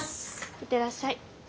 行ってらっしゃい。